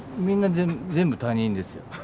みんな全部他人ですよ